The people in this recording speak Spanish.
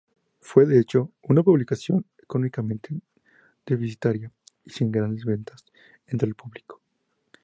Fue, de hecho, una publicación económicamente deficitaria y sin grandes ventas entre el público.